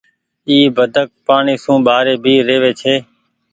اي بدڪ پآڻيٚ سون ٻآري ڀي رهوي ڇي۔